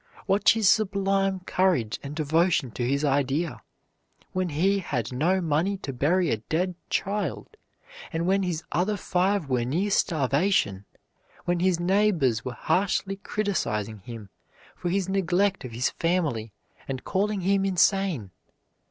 Watch his sublime courage and devotion to his idea, when he had no money to bury a dead child and when his other five were near starvation; when his neighbors were harshly criticizing him for his neglect of his family and calling him insane.